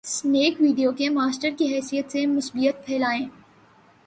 Snack Video کے master کی حیثیت سے ، مثبتیت پھیلائیں۔